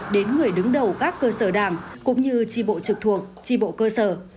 đến người đứng đầu các cơ sở đảng cũng như tri bộ trực thuộc tri bộ cơ sở